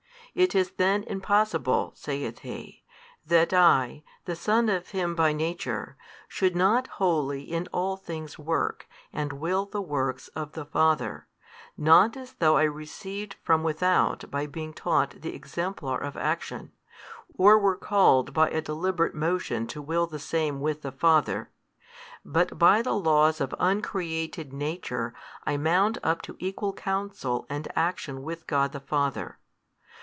It is then impossible (saith He) that I, the Son of Him by Nature, should not wholly in all things work and will the works of the Father, not as though I received from without by being taught the exemplar of action, or were called by a deliberate motion to will the same with the Father, but by the laws of Uncreated Nature I mount up to Equal Counsel and Action with God the Father.